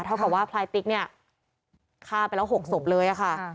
เท่ากับว่าพลายติ๊กเนี่ยฆ่าไปแล้ว๖ศพเลยค่ะ